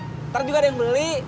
ntar juga ada yang beli